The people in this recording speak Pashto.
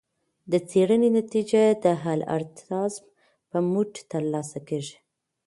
د څیړنې نتیجه د الالتزام په مټ ترلاسه کیږي.